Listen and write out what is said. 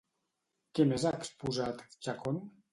Què més ha exposat Chacón?